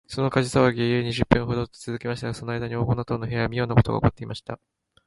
その火事さわぎが、やや二十分ほどもつづきましたが、そのあいだに黄金の塔の部屋には、みょうなことがおこっていました。